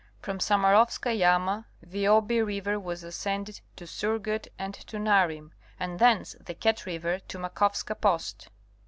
From Samarovska Yama the Obi river was ascended to Surgut and to Narim, and thence the Ket river to Makovska post.